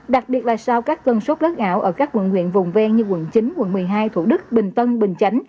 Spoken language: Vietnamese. đặc biệt là sau các cơn sốt lấn ảo ở các quận nguyện vùng ven như quận chín quận một mươi hai thủ đức bình tân bình chánh